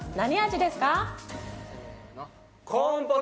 何味ですか？